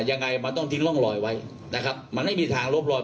ยังไงมันต้องทิ้งร่องรอยไว้นะครับมันไม่มีทางลบรอย